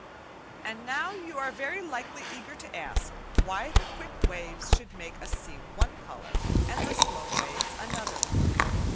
And now you are very likely eager to ask why the quick waves should make us see one colour, and the slow waves another.